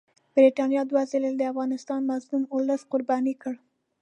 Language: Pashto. برټانیې دوه ځله د افغانستان مظلوم اولس قرباني کړ.